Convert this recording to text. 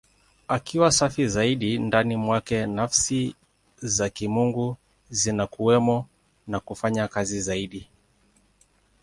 Akiwa safi zaidi, ndani mwake Nafsi za Kimungu zinakuwemo na kufanya kazi zaidi.